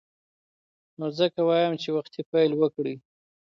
نو ځکه وایم چې وختي پیل وکړئ.